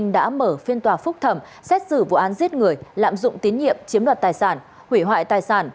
đã mở phiên tòa phúc thẩm xét xử vụ án giết người lạm dụng tín nhiệm chiếm đoạt tài sản hủy hoại tài sản